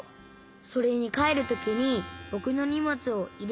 それにかえるときにぼくのにもつをいれてくれるでしょ？